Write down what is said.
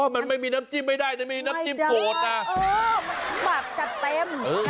มันไม่มีน้ำจิ้มให้ได้ไม่มีน้ำจิ้มโกดอ่ะไม่ได้เป็นคนมากจะเต็ม